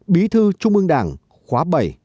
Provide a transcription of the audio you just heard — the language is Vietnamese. bí thư trung ương đảng khóa bảy